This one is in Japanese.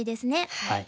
はい。